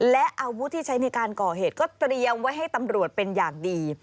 และอาวุธที่ใช้ในการก่อเหตุก็เตรียมไว้ให้ตำรวจเป็นอย่างดี